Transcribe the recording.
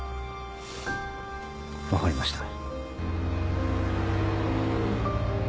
分かりました。